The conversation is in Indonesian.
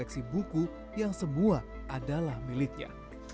dan juga menggunakan koleksi buku yang semua adalah miliknya